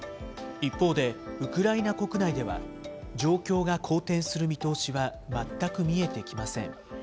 一方で、ウクライナ国内では、状況が好転する見通しは全く見えてきません。